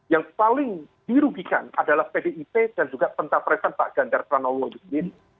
yang paling dirugikan adalah pdip dan juga pentadresan pak ganjar teran allah